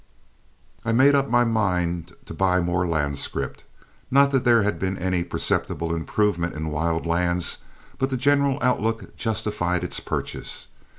I made up my mind to buy more land scrip. Not that there had been any perceptible improvement in wild lands, but the general outlook justified its purchase.